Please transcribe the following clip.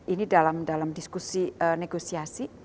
ini dalam diskusi negosiasi